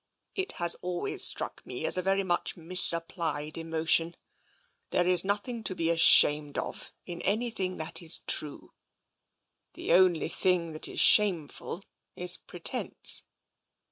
It has always struck me as a very much misapplied emotion. There is nothing to be ashamed of in anything that is true. The only thing that is shameful is pretence.